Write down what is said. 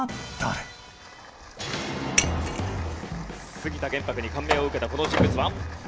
杉田玄白に感銘を受けたこの人物は？